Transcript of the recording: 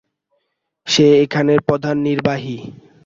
সে এখানের প্রধান নির্বাহী।